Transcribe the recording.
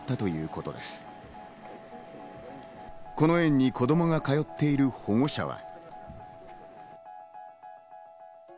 この園に子供が通っている保護者は。